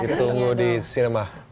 hitung di cinema